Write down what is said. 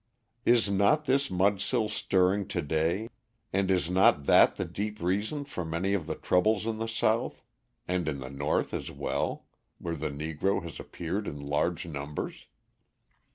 Is not this mudsill stirring to day, and is not that the deep reason for many of the troubles in the South and in the North as well, where the Negro has appeared in large numbers?